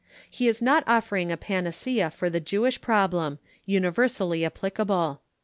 He is not offering a panacea for the Jewish problem, universally applicable.